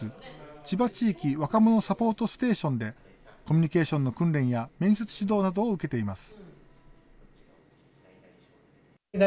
ちば地域若者サポートステーションでコミュニケーションの訓練や面接指導などを受けています。